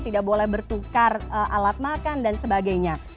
tidak boleh bertukar alat makan dan sebagainya